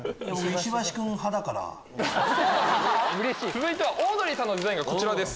続いてオードリーさんのデザインこちらです。